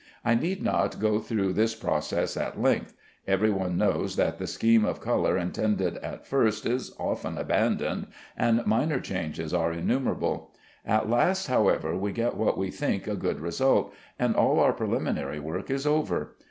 I need not go through this process at length. Every one knows that the scheme of color intended at first is often abandoned, and minor changes are innumerable. At last, however, we get what we think a good result, and all our preliminary work is over.